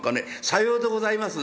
「さようでございます」。